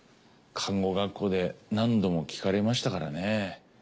看護学校で何度も聞かれましたからね。